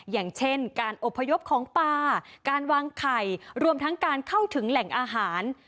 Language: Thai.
อย่างเช่นการอบพยพของปลาการวางไข่รวมทั้งการเข้าถึงแหล่งอาหาร